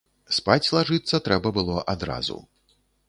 Спаць лажыцца трэба было адразу.